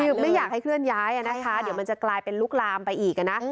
คือไม่อยากให้เคลื่อนย้ายนะคะเดี๋ยวมันจะกลายเป็นลุกลามไปอีกนะ